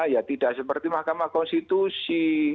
ya tidak seperti mahkamah konstitusi